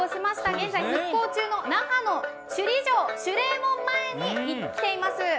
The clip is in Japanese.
現在、復興中の那覇の首里城、守礼門まえに来ています。